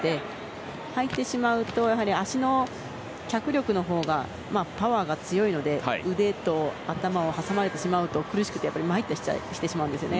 入ってしまうと相手の脚力のほうがパワーが強いので腕と頭を挟まれてしまうと苦しくて、参ったをしてしまうんですよね。